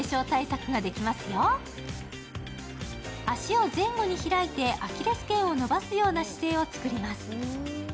足を前後に開いて、アキレスけんを伸ばすような姿勢を作ります。